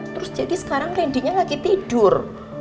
terus jadi sekarang randinya lagi tidur